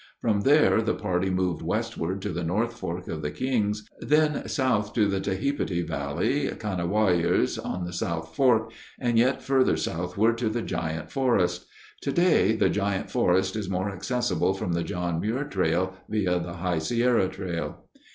From there the party moved westward to the North Fork of the Kings, then south to the Tehipite Valley, Kanawyers on the South Fork, and yet further southward to the Giant Forest. Today the Giant Forest is more accessible from the John Muir Trail via the High Sierra Trail.